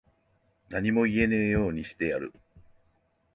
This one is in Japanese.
何も言えねぇようにしてやる。